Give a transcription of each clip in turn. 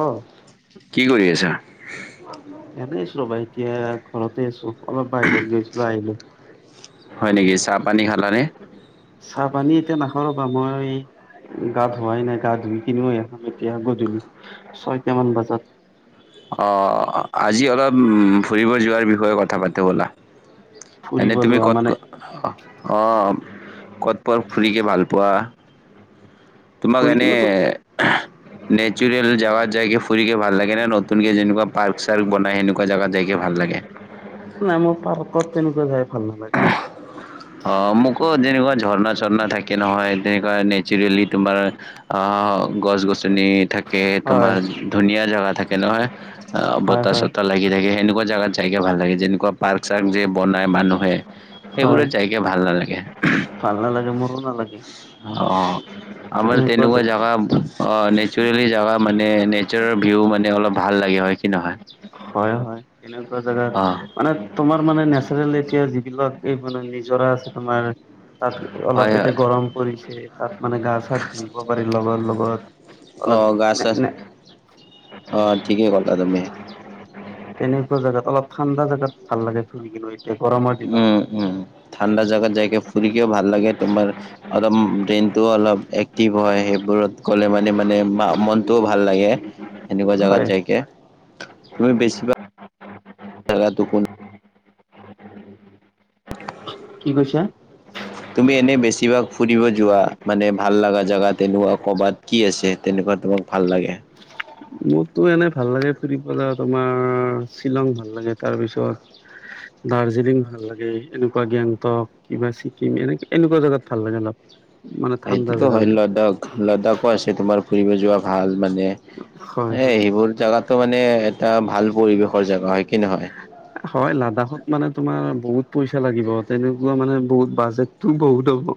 অ কি কৰি আছা? এনেই আছো ৰবা, এতিয়া ঘৰতে আছোঁ। অলপ বাহিৰত গৈছিলোঁ, আহিলোঁ। হয় নেকি চাহ পানী খালানে? চাহ পানী এতিয়া নাখও ৰবা, মই গা ধোৱাই নাই, গা ধুই কিনিহে খাম এতিয়া গধূলি ছয়টামান বজাত। অহ, আজি অলপ ফুৰিব যোৱাৰ বিষয়ে কথা পাতোঁ ব'লা। ফুৰিব এনেই তুমি যোৱা মানে ক'ত-ক'ত, অহ। ক'ত [unintelligible] ফুৰিকে ভাল পোৱা? তোমক ফুৰি এনেই কিনোতো নেচাৰেল জাগাত য়ায কিনে ফুৰি কে ভাল লাগে নে, নতুনকে যেনেকুৱা পাৰ্ক-চাৰ্ক বনাই সেনেকুৱা জাগাত যায় নাই মই পাৰ্কত তেনেকুৱা যায় ভাল নালাগে। [inaudible] অ মোকো তেনেকুৱা ঝৰ্ণা ঝৰ্ণা থাকে নহয় তেনেকুৱা নেচাৰেলি তোমাৰ অ গছ গছ নি থাকে হয় তোমাৰ ধুনীয়া জাগা থাকে নহয় অ হয় বতাহ হয় চতাহ লাগি থাকে সেনেকুৱা জোগাত যাইকে ভাল লাগে যেনেকুৱা পাৰ্ক চাৰ্ক যে বনাই মানুহে হয় সেইবোৰত যাইকে ভাল নালাগে। ভাল নালাগে মোৰো নালাগে। অ আমাৰ তেনেকুৱা জাগা অ নেচাৰেলি জাগা মানে এ মানে নেচাৰৰ ভিউ মানে অলপ ভাল লাগে হয় কি নহয়? হয় হয় তেনেকুৱা অ জাগাত মানে তোমাৰ মানে নেচাৰেল এতিয়া যিবিলাক এই মানে নিজৰা আছে তোমাৰ তাত হয় অলপ হয় এতিয়া গৰম পৰিছে তাত মানে গা চা ধুই আহিব পাৰি লগৰ লগত। অ অলপ গা নে চা নে অ ঠিকেই কলা তুমি। তেনেকুৱা জাগাত অলপ ঠাণ্ডা জোগাত ভাল লাগে ফুৰি কিনে এতিয়া গৰমৰ দিনত। উম, উম, ঠাণ্ডা জাগাত যাইকে ফুৰিকেও ভাল লাগে তোমাৰ অলপ ব্ৰেনটোও অলপ এক্টিভ হয় সেই বোৰত গ'লে মানে মানে মনটোও ভাল লাগে এনেকুৱা জাগাত হয় যাইকে। তুমি বেছিভাগ জাগাতো [unintelligible] কি কৈছে? তুমি এনে বেছিভাগ ফুৰিব যোৱা মানে ভাল লগা জাগাত তেনেকুৱা কৰ'বাত কি আছে তেনেকুৱা তোমাক ভাল লাগে? মোৰতো এনে ভাল লাগে ফুৰি পেলায় তোমাৰ শ্বিলং ভাল লাগে তাৰপিছত ৰ্দাজিলিং ভাল লাগে এনেকুৱা গেংটক কিবা ছিকিম এনে এনেকুৱা জাগাত ভাল লাগে অলপ। মানে ঠাণ্ডা সেইটোতো হয় জেগাবিলাক লাডাখ লাডাখো আছে তোমাৰ ফুৰিব যোৱা ভাল মানে হয় হয় এ সেইবোৰ জেগাতো মানে এটা ভাল পৰিৱেশৰ জেগা হয় কি নহয়? হয় লাডাখত মানে তোমাৰ বহুত পইচা লাগিব তেনেকুৱা মানে বহুত বাজেটোও বহুত হ'ব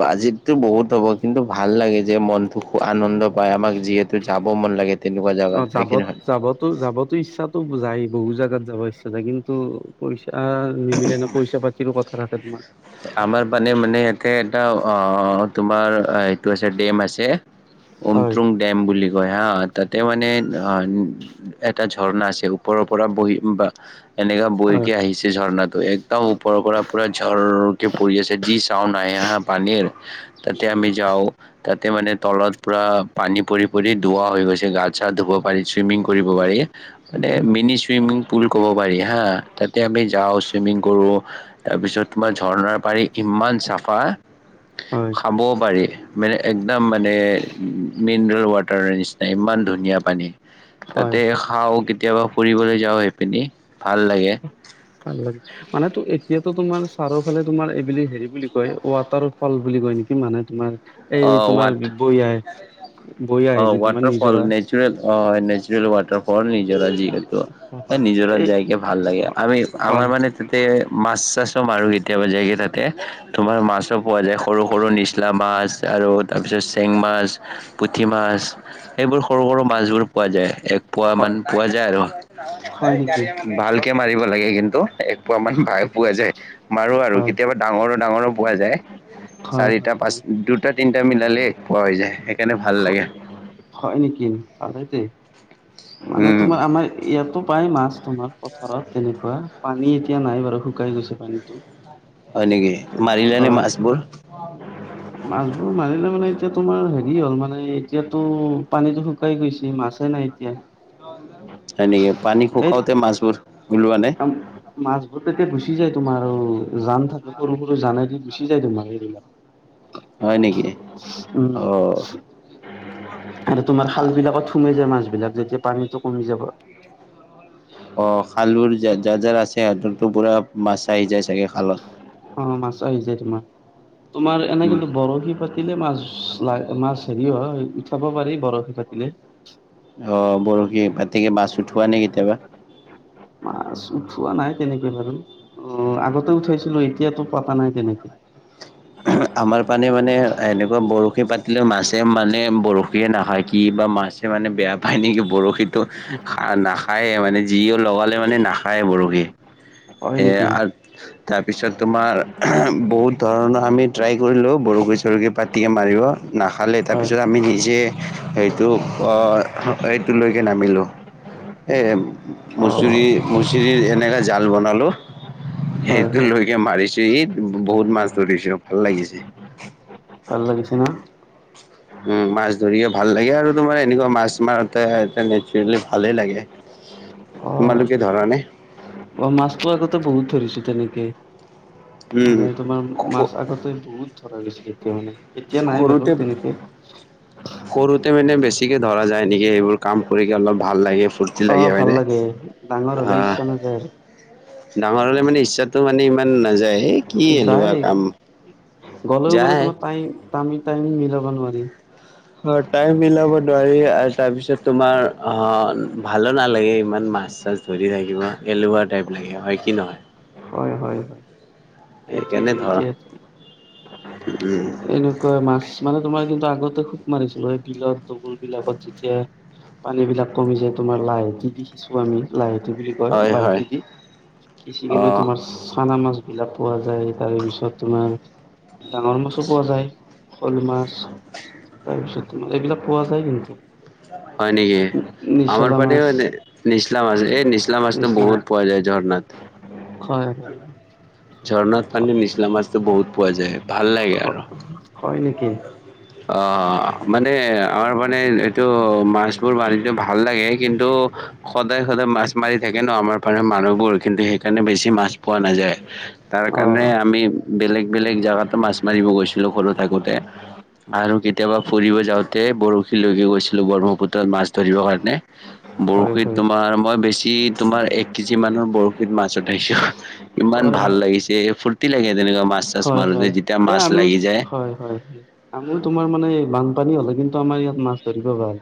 বাজেতটো বহুত হ'ব কিন্তু ভাল লাগে যে মনতো খুব আনন্দ পায় আমাক যিহেতু যাব মন লাগে তেনেকুৱা অ জাগাত হয় কি যাবত নহয় যাবতো যাবতো ইচ্ছা তু যায় বহু জাগাত যাব ইচ্ছা যাই কিন্তু পইচা নিমিলে ন পইচা পাতিৰো কথা থাকে তোমাৰ আমাৰ মানে মানে ইয়াতে এটা অ তোমাৰ এইটো আছে ডেম আছে হয় উমত্ৰুং ডেম বুলি কয় হা ততে মানে এটা ঝৰ্ণা আছে ওপৰৰ পৰা বহি বা এনেকা বৈ হয় কে আহিছে ঝৰ্ণাতো একদম ওপৰৰ পৰা পুৰা ঝৰ তাতে আমি যাও তাতে মানে তলত পুৰা পানী পৰি পৰি ধুৱা হৈ গৈছে গাছ চছ ধুব পাৰি চুইমিং কৰিব পাৰি মানে মিনি চুইমিং পুল ক'ব পাৰি হা তাতে আমি যাওঁ চুইমিং কৰো তাৰপিছত তোমাৰ ঝৰ্ণাৰ পাৰি ইমান চাফা হয় খাবও পাৰি মানে একদম মানে মিনাৰেল ৱাটাৰৰ নিচিনা ইমান ধুনীয়া পানী হয় তাতে হয় খাও কেতিয়াবা ফুৰিবলৈ যাওঁ সেইপিনি ভাল লাগে ভাল লাগে মানে তো এতিয়াতো তোমাৰ চাৰৰ ফালে তোমাৰ এইব হেৰি বুলি কয় ওৱাটাৰ ফল বুলি কয় নেকি মানে তোমাৰ এই অ তোমাৰ বৈ আহে বৈ আহে যি তোমাৰ ওৱাটাৰফল নিজৰা নেচুৰেল অ নে জেল ওৱাতা নিজৰা যিহেতু হয় নিজৰা এই যেনেকে ভাল লাগে আমি আমাৰ হয় মানে ততে মাছ চাছ ম আৰু কেতিয়াবা যায়গে তাতে তোমাৰ মাছো পোৱা যায় সৰু সৰু নিচলা মাছ আৰু তাৰপিছত চেং মাছ পুঠি মাছ সেইবোৰ সৰু সৰু মাছবোৰ পোৱা যায় পোৱা মান হয় পোৱা যায় আৰু হয় নেকি ভালকে মাৰিব লাগে কিন্তু একপোৱ মান ভাই পোৱা যায় মাৰোঁ আৰু হয় কেতিয়াবা ডাঙৰো ডাঙৰো পোৱা যায় হয় চাৰিটা হয় পাঁচ হয় দু দুটা তিনিটা মিলালেই পোৱা হৈ যায় সেইকাৰণে ভাল লাগে হয় নেকি ভালেই দে মানে উম, তোমাৰ আমাৰ ইয়াতো পাই মাছ ধোমাৰ পথাৰত তেনেকুৱা, পানী এতিয়া নাই বাৰু শুকাই গৈছে, পানীতটো। হয় নেকি? মাৰিলানে হয়, মাছবোৰ? মাছবোৰ মানিলে মানে এতিয়া তোমাৰ হেৰি হ'ল মানে এতিয়াতো পানীতটো শুকাই গৈছে মাছেই নাই এতিয়া। হয় নেক পানী এই খোকাওতে মাছবোৰ ওলোৱা নে? মাছবোৰ তেতিয়া গুচি যায় তোমাৰ। মাৰ আৰু জান থাক সৰু, সৰু জান দি গুচ যায় দ, মাৰ হয় নেকি? এইবিলাক। উম। অ'। আৰু তোমাৰ শাল বিলাকত থুমে যায় মাছবলাক যেতিয়া পানীতটো কমি যাব। অ, খালোৰ য, যাৰ, যাৰ আছে। সিহঁতৰো পুৰা মাছা আহি যাই চাগে খালত। অ, মাছ আহি যায়। তোমাৰ, তোমাৰ এনে উম, কিন্তু বৰশী পাতিলে মাছ লাই মাছ হেৰি অ, উঠাব পাৰি বৰফী পাতিলে। অ, বৰশী বতিকে মাছ উঠোৱা নাই কেতিয়াবা। মাছ উঠোৱা নাই। তেনেকে বাৰু অ, আগতে উঠাইছিলো এতিয়াতো পতা নাই তেনেকে। আমাৰ পানী মানে এনেকুৱা বৰশী পাত মাছে মানে বৰশীয়ে নাখায় কি বা মাছে মানে বেয়া পায় নেকি বৰশীতো খাই। আৰু নাখায়ে মানে যিও লগালে মানে নাখায়ে বৰশী। হয় এ, নেকি? আৰু তাৰপিছত তোমাৰ বহুত ধৰণৰ আমি ট্ৰাই কৰিলোঁ, বৰকৈ চৰুকী পাতিকৈ মাৰিব নাখালে, হয় তাৰপিছত আমি নিজে সেইটো, সেইটোলৈকে নামিলোঁ। এই মচৰি, অ' মুচৰি এনেককা জাল বনালোঁ। হয় হয় সেইটোলৈকে মাৰিছ বহুত মাছ ধৰিছো ভাল লাগিছে। ভাল লাগিছে ন? উম, মাছ ধৰি ও ভাল লাগে। আৰু তোমাৰ এনেকুৱা মাছ মাৰতে নেচাৰেলি ভালেই লাগে। অ' তোমালোকে ধৰা নে? অ' মাছটো আগতে বহুত ধৰিছো তেনেকে উম মানে তোমাৰ মাছ আগতে বহুত ধৰা গৈছিল এতিয়া মানে। এতিয়া নাই বাৰু সৰুতে তেনেকে। সৰুতে মানে বেছিকে ধৰা যায় নেকি এইবোৰ কাম কৰিকে অলপ ভাল লাগে। ফূৰ্তি লাগে অ' ভাল হয়নে ডাঙৰ হ'লে অ'। ইচ্ছা নাযায় আৰু। ডাঙৰ হ'লে মানে ইচ্ছাটো মানে ইমান নাযায়য়ে। যায় গ'লেও মানে যায়। তোমাৰ টাইম, টামি, টাইম মিলাব। নোৱাৰি। অ, টাইম মিলাব নোৱাৰি আৰু তাৰপিছত তোমাৰ অ, ভালো নালাগে ইমান। মাছ, চাছ ধৰি থাকিব এলেহুৱা টাইপ লাগে হয় কি নহয়। হয়, হয়, হয় সেইকাৰণে এইটোৱেইটো ধৰ এতিয়া। উম এনেকুৱা মাছ মানে তোমাৰ কিন্তু আগতে খুব মাৰিছিলো এই বিলত দুগোৰ বিলাকত যেতিয়া পানী বিলাক কমি যায়, তোমাৰ লাইট ই, সিচিচো আমি লাইট। বুলি কয় হয় হয় বাল্টি দি, সিচি অ কিনা তোমাৰ চানা মাছ। এইবিলাক পোৱা যায়। তাৰ পিছত তোমাৰ ডাঙৰ মাছো পোৱা যায় শ'ল মাছ। পিছত তোমাৰ এইবিলাক পোৱা যায় কিন্তু। হয়, নেকি। আমাৰ নিচলা পানীও মাছ নিচলামাছ, নিচলামাছটো নিচলা মাছ বহুত পোৱা যায় ঝৰণাত। হয়। হয় ঝৰনাত পাণ্ডে নিচলা মাছতো বহুত পোৱা যায় ভাল। লাগে আৰু হয় নেকি অ, মানে। আমাৰ মানে এইটো মাছবোৰ, মাৰিবোৰ ভাল লাগে। কিন্তু সদায়, সদায় মাছ মাৰি থাকে ন, আমাৰ পাৰে মানুহবোৰ কিন্তু সেইকাৰণে বেছি মাছ পোৱা নাযায়। তাৰ অ কাৰণে আমি বেলেগ, বেলেগ জাগাতো মাছ মাৰিব গৈছিলো সৰু থাকোতে। আৰু কেতিয়াবা ফুৰিব যাওঁতে বৰশী লৈও গৈছো। ব্ৰহ্মপুত্ৰত মাছ ধৰিব কাৰণে হয় বৰশীত হয় তোমাৰ মই বেছি তোমাৰ এক কেজি মান। বৰশীত মাছ উঠাইছো, ইমান হয় ভাল লাগিছে ফুৰৰ্তি লাগে তেনেকুৱা মাছ চাছ হয় হয় মাৰো যেতিয়া এ মাছ। আমিও লাগি যায় হয়, হয়, হয় আমোৰ তোমাৰ মানে বানপানী হ'লে কিন্তু আমাৰ ইয়াত মাছ ধৰিব ভাল।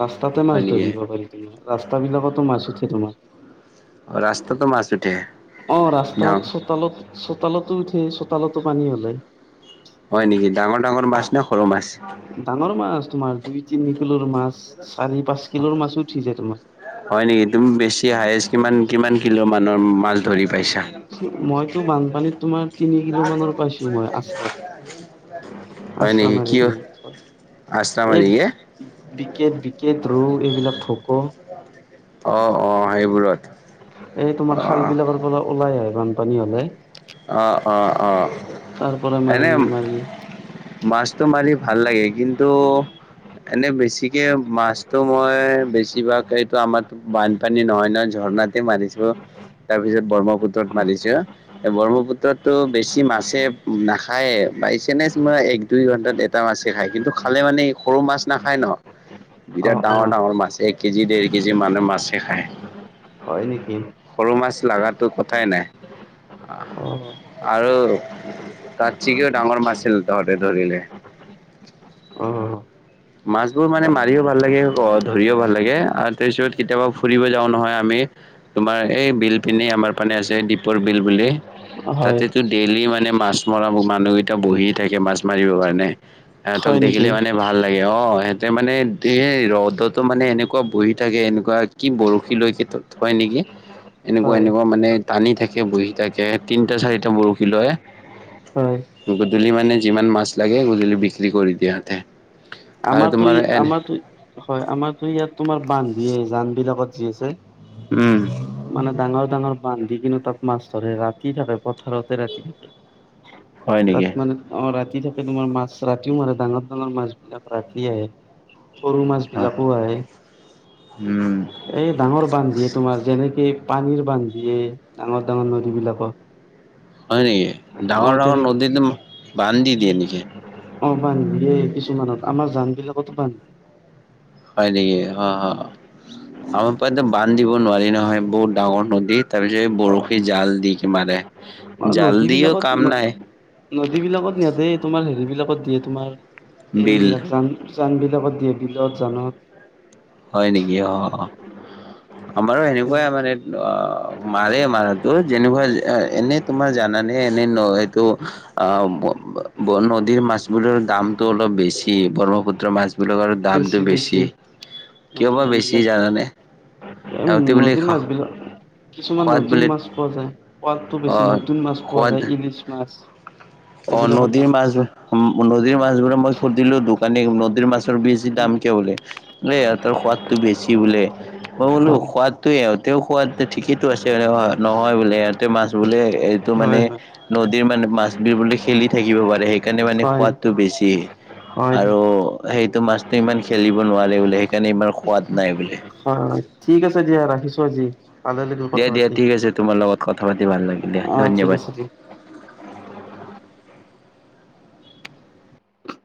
ৰাস্তাতে মাছ হয় নেকি ধৰিব পাৰি তোমাৰ, ৰাস্তা বিলাকতো মাছ উঠে তোমাৰ। অ', ৰাস্তাটো মা অ', ৰাস্তত চোতালত, চোতালতো উঠে চোতালত। পানী হ'লে। হয় নেকি ডাঙৰ, ডাঙৰ মাছ নে সৰু মাছ। ডাঙৰ মাছ তোমাৰ দুই তিনি কিলোৰ মাছ। চাৰি পাঁচ কিলোৰ মাছো উঠি যায় তোমাৰ হয় নেকি তুমি বেছি হায়ষ্ট কিমান, কিমান কিলো মানৰ মাছ। ধৰি পাইছা। মইতো বানপানীত তোমাৰ তিনি কিলো মানৰ পাইছো মই আচৰাত [inaudible] [unintelligible] এই আছলমআলিয়ে। বিকেট, বিকেট ৰৌ এইবিলাক ফক'। অ', অ' হেইবোৰত। এই তোমাৰ খাল বিলাকৰ পৰা ওলাই আহে বানপানী হ'লে। অ', অ', অ' তাৰ পৰা এনে। মাৰি মাৰি মাছতো মাৰি ভাল লাগে কিন্তু এনে বেছি। গতিকে মাছটো মই বেছিভাগ এইটো আমাৰো বানপানী নহয় নহয় ঝৰ্ণাতে মাৰিছো। তাৰ পিছত ব্ৰহ্মপুত্ৰত মাৰিছে। ব্ৰহ্মপুত্ৰতো বেছি মাছে নাখায়ে বাই চানেস মই এক দুই ঘণ্টাত এটা মাছ। খায় কিন্তু খালে মানে সৰু মাছ নাখায় ন। অ বিৰাট অ ডাঙৰ, ডাঙৰ মাছ এক কেজি ডেৰ কেজি মানে মাছে খায়। হয় নেকি সৰু মাছ লগাতটো কথাই নাই অ আহ আৰু ত চিকিও ডাঙৰ মাছিল তহতে ধৰিলে অ মাছবোৰ মানে মাৰিও ভাল লাগে ধৰিও ভাল লাগে আৰু তাৰ পিছত কেতিয়াবা ফুৰিব যাও নহয় আমি তোমাৰ এই বিল পিন্ধি আমাৰ মানে আছে দীপৰ বিল বুলি হয় তাতেতো ডেইলি মানে মাছ মৰা মানুহকেইটা বহি থাকে মাছ মাৰিবৰ কাৰণে এহ তোক হয় নেকি দেখিলে মানে ভাল অ সিহঁতে মানে এই ৰ'দতো মানে এনেকুৱা বহি থাকে এনেকুৱা কি বৰশী লৈ কে হয়ই নেকি এনেকুৱা হয় এনেকুৱা মানে টানি থাকে বহি থাকে তিনিটা চাৰিটা বৰশী লয় হয় গধূলি মানে যিমান মাছ লাগে গধূলি বিক্ৰী কৰি দিয়াতে আমাৰতো ই আমাৰো হয় আমাৰতো ইয়াত তোমাৰ বান্ধ দিয়ে জান বিলাকত যি আছে উম মানে ডাঙৰ ডাঙৰ বান্ধি কিন্তু তাত মাছ ধৰে ৰাতি থাকে পথাৰতে ৰাতি থাকে হয় নেকি? তাত মানে অ ৰাতি থাকে তোমাৰ মাছ ৰাতিও মাৰে ডাঙৰ ডাঙৰ মাছ বিলাক ৰাখতি আহে সৰু মাছ হয়। বিলাকো আহে উম, এই ডাঙৰ বান্ধ দিয়ে তোমাৰ যেনেকে পানীৰ বান্ধিয়ে ডাঙৰ ডাঙৰ নদীবলাকত হয় নেকি ডাঙৰ ডাঙৰ নদীতো বান্ধ দি দিয়ে নেকি অ পান্ধ কিছুমানত আমাৰ জান বিলাকতো পান্ধ আমি পৰাো বান্ধ দিব নোৱাৰি নহয় বহুত ডাঙৰ নদী তাৰপিছত বৰফী জাল দি কি মাৰে। অ জাল নদী দিও বিলাকত কাম ন নাই, নদী বিলাকত নিয়াদে তোমাৰ হেৰি বিলাকত দিয়ে তোমাৰ বিল এইবিলাক চান চান বিলাকত দিয়ে বিলত জানত হয় নেকি অ আমাৰো সেনেকুৱাই মানে অ মাৰে মাৰটো যেনেকুৱা এনে তোমাৰ জানানে এনে ন এইটো অ নদীৰ মাছবোৰৰ দামতো অলপ বেছি ব্ৰহ্মপুত্ৰ মাছ বিলাকৰ দামতটো বেছি কিয় বা বেছি জানানে এই সিহঁতে বোলে [unintelligible] কিছুমান সোৱাদ নতুন বোলে মাছ পোৱা যায়, সোৱাতটো অ বেছি নতুন মাছ পোৱা সোৱাদ যায়। ইলিছ মাছ, অ এইবিলাকৰ নদীৰ দাম মাছ, বেছি নদীৰ মাছবোৰে মই সুধিলো দোকানী নদীৰ মাছ ৰ বেছি দাম কিয় বোলে, ইহঁতৰ সোৱাদতটো বেছি বোলে। মই বোলো হয় সোৱাদ ইহতে তে খোৱাত ঠিকেইটো আছে, নহয় বোলে ইহঁতে মাছ বোলে এইটো মানে হয় নদীৰ মানে মাছ খেলি থাকিব পাৰে সেইকাৰণে মানে হয় সোৱাদটো বেছি। হয় হয় আৰু সেইটো মাছতটো ইমান খেলিব নোৱাৰে বোলে। সেইকাৰণে ইমান সোৱাদ নাই বোলে হয় ঠিক আছে দিয়া ৰাখিছো আজি। ভালে লাগিল দিয়া কথা দিয়া পাতি ঠিক আছে তোমাৰ লগত কথা পাতি ভাল লাগিল দিয়া। অ ঠিক ধন্যবাদ। আছে দিয়া [unintelligible]